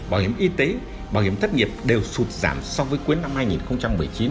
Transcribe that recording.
bảo hiểm y tế bảo hiểm thất nghiệp đều sụt giảm so với cuối năm hai nghìn một mươi chín